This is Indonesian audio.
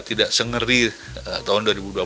tidak sengeri tahun dua ribu dua puluh